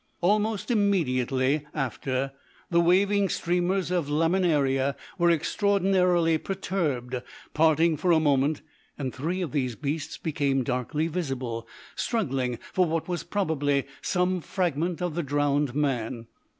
Almost immediately after, the waving streamers of laminaria were extraordinarily perturbed, parted for a moment, and three of these beasts became darkly visible, struggling for what was probably some fragment of the drowned man.